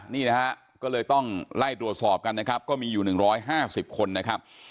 นี่นะฮะก็เลยต้องไล่ตรวจสอบกันนะครับก็มีอยู่๑๕๐คนนะครับ